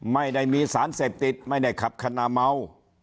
ไม่ได้มีสารเสพติดไม่ได้ขับคณะเมา